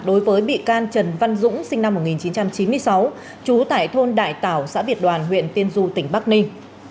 đối với bị can trần văn dũng sinh năm một nghìn chín trăm chín mươi sáu trú tại thôn đại tảo xã việt đoàn huyện tiên du tỉnh bắc ninh